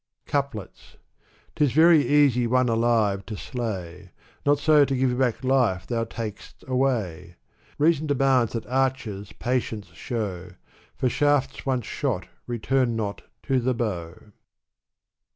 Couplets. Tis very easy one alive to slay ; Not so to give back life thou tak'st away : Reason demands that archers patience show, For shafts once shot return not to the bow.